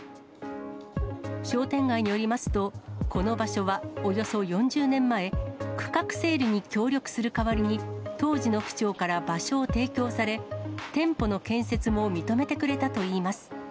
商店街によりますと、この場所はおよそ４０年前、区画整理に協力する代わりに、当時の区長から場所を提供され、店舗の建設も認めてくれたといいます。